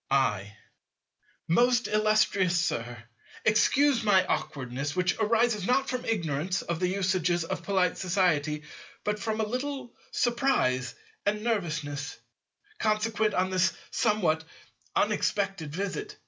I. Most illustrious Sir, excuse my awkwardness, which arises not from ignorance of the usages of polite society, but from a little surprise and nervousness, consequent on this somewhat unexpected visit.